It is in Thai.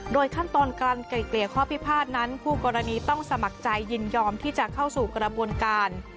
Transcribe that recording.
ขั้นตอนการไกลเกลี่ยข้อพิพาทนั้นคู่กรณีต้องสมัครใจยินยอมที่จะเข้าสู่กระบวนการ